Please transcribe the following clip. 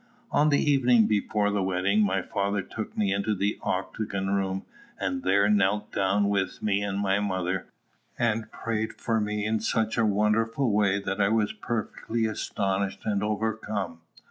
On the evening before the wedding, my father took me into the octagon room, and there knelt down with me and my mother, and prayed for me in such a wonderful way that I was perfectly astonished and overcome.